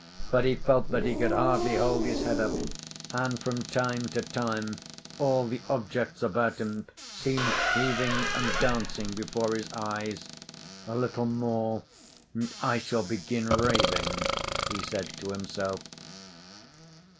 But he felt that he could hardly hold his head up, and from time to time all the objects about him seemed heaving and dancing before his eyes. "A little more and I shall begin raving," he said to himself.